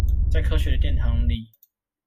在科學的殿堂裡